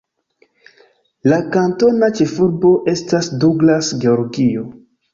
La kantona ĉefurbo estas Douglas, Georgio.